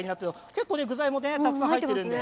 結構、具材もたくさん入っています。